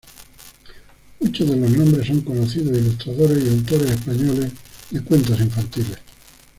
Muchos de los nombres son conocidos ilustradores y autores españoles de cuentos infantiles.